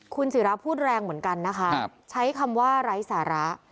คุณศิราพูดแรงเหมือนกันนะคะใช้คำว่าไร้สาระ